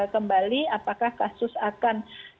kembali apakah kasus akan